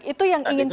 misalnya seperti itu